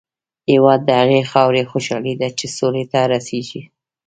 هېواد د هغې خاورې خوشحالي ده چې سولې ته رسېږي.